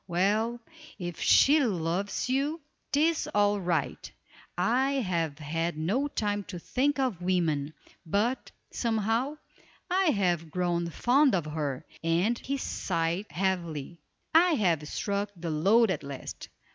Well, if she loves you, 'tis all right, I have had no time to think of women; but, somehow, I have grown fond of her," and he sighed heavily. "I have struck the lode at last.